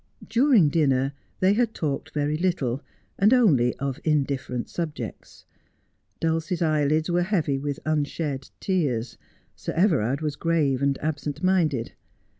During dinner they had talked very little, and only of indif ferent subjects. Dulcie's eyelids were heavy with unshed tears. Sir Everard was grave and absent minded.